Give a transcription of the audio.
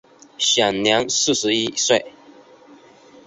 享年四十一岁。